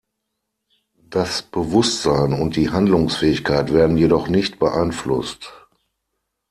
Das Bewusstsein und die Handlungsfähigkeit werden jedoch noch nicht beeinflusst.